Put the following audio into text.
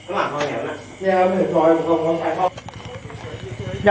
ข้างหลังข้างเหนียวนะ